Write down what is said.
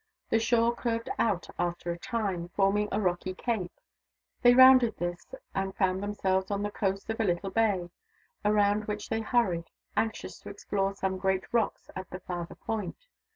The shore curved out after a time, forming a rocky cape. They rounded this, and found themselves on the coast of a little bay, round which they hurried, anxious to explore some great rocks at the farther point.